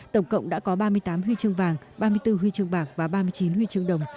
tổng cộng đã có ba mươi tám huy chương vàng ba mươi bốn huy chương bạc và ba mươi chín huy chương đồng